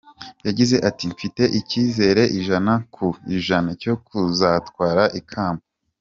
Yagize ati: “Mfite icyizere ijana ku ijana cyo kuzatwara ikamba.